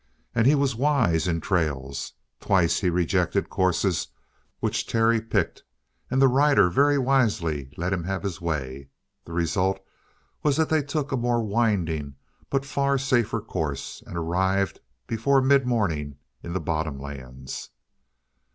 And he was wise in trails. Twice he rejected the courses which Terry picked, and the rider very wisely let him have his way. The result was that they took a more winding, but a far safer course, and arrived before midmorning in the bottomlands.